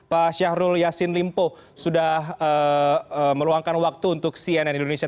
pak syahrul yassin limpo sudah meluangkan waktu untuk cnn indonesia